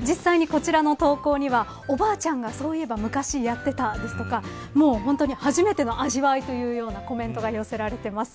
実際にこちらの投稿にはおばあちゃんが昔やっていたとか初めての味わいというようなコメントが寄せられています。